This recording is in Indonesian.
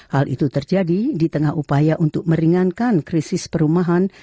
hal itu terjadi di tengah upaya untuk meringankan krisis perumahan